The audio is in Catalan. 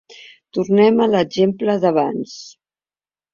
Tornem a l’exemple d’abans.